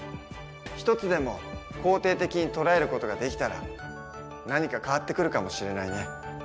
一つでも肯定的に捉える事ができたら何か変わってくるかもしれないね。